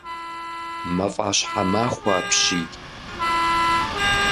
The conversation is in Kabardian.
Мафӏэщхьэмахуэ апщий!